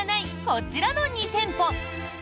こちらの２店舗。